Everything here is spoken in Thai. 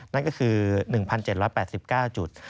นั่นก็คือ๑๗๘๙จุด